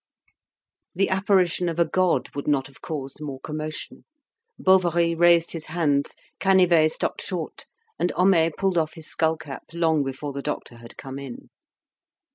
The apparition of a god would not have caused more commotion. Bovary raised his hands; Canivet stopped short; and Homais pulled off his skull cap long before the doctor had come in.